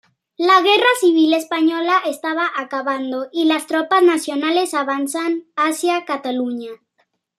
La guerra civil española estaba acabando, y las tropas nacionales avanzan hacia Cataluña.